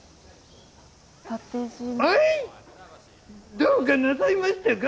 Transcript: どうかなさいましたか？